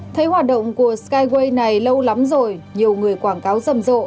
thấy hoạt động của skywei này lâu lắm rồi nhiều người quảng cáo rầm rộ